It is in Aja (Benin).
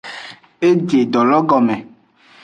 E je edolo gome.